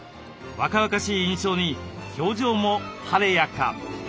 若々しい印象に表情も晴れやか！